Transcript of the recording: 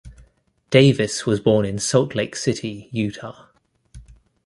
Davis was born in Salt Lake City, Utah.